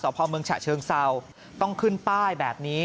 พ่อเมืองฉะเชิงเศร้าต้องขึ้นป้ายแบบนี้